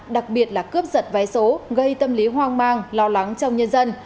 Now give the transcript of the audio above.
đặc biệt là cướp giật vé số gây tâm lý hoang mang lo lắng trong nhân dân